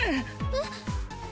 えっ？